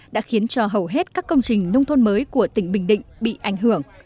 đã khiến cho hầu hết các công trình nông thôn mới của tỉnh bình định bị ảnh hưởng